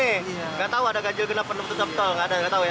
tidak tahu ada gajil kenapa penutup tol